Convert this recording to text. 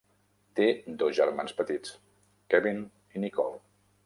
Té dos germans petits, Kevin i Nicole.